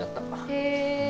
へえ。